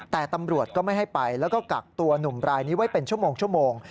แต่ตำรวจก็ไม่ให้ไปแล้วก็กักตัวหนุ่มรายนี้ไว้เป็นชั่วโมง